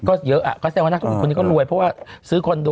ก็เยอะอ่ะเขาแสดงว่านักธุรกิจคนนี้ก็รวยเพราะว่าซื้อคอนโด